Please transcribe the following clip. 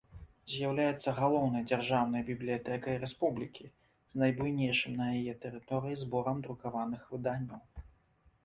З'яўляецца галоўнай дзяржаўнай бібліятэкай рэспублікі, з найбуйнейшым на яе тэрыторыі зборам друкаваных выданняў.